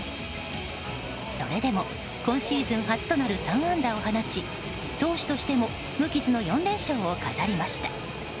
それでも今シーズン初となる３安打を放ち投手としても無傷の４連勝を飾りました。